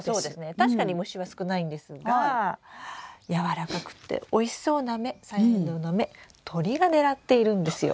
確かに虫は少ないんですがやわらかくっておいしそうな芽サヤエンドウの芽鳥が狙っているんですよ。